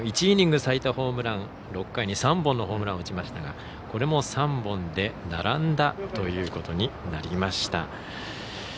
１イニング最多ホームラン６回に３本のホームランを打ちましたがこれも３本で並んだということになりました。